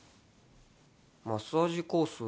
マッサージコース